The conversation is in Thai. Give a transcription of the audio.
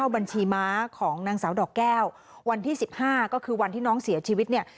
บัญชีม้าของนางสาวดอกแก้ววันที่๑๕ก็คือวันที่น้องเสียชีวิตเนี่ย